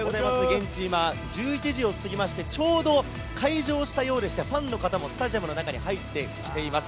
現地、今、１１時を過ぎまして、ちょうど開場したようでして、ファンの方もスタジアムの中に入ってきています。